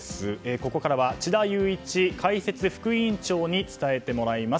ここからは智田裕一解説副委員長に伝えてもらいます。